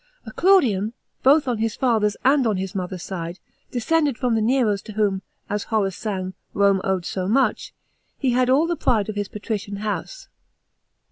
A CLiuilim, bo h on the father's and on the mo her's side, descended from the Neros to whom, as Horace sang, Rome owed so much, he had all the pri<ie of his patrician house.